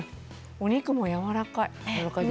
お肉もやわらかい。